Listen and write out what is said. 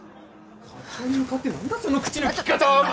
課長に向かって何だその口の利き方はお前！